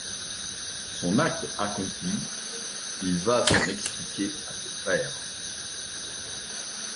Son acte accompli, il va s'en expliquer à ses frères.